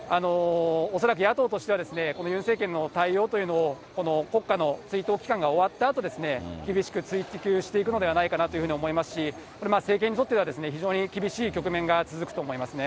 恐らく野党としては、このユン政権の対応というのを、国家の追悼期間が終わったあと、厳しく追及していくのではないかなというふうに思いますし、政権にとっては非常に厳しい局面が続くと思いますね。